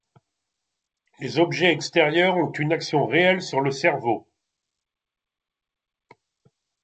Les objets extérieurs ont une action réelle sur le cerveau.